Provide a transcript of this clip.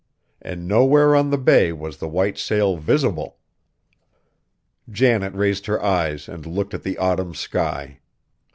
And nowhere on the bay was the white sail visible! Janet raised her eyes and looked at the autumn sky.